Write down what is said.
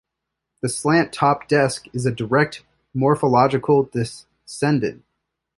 The slant top desk is a direct morphological descendant.